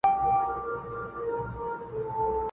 قبرکن به دي په ګورکړي د لمر وړانګي به ځلېږي!.